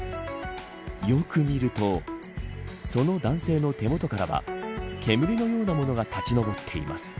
よく見るとその男性の手元からは煙のようなものが立ち昇っています。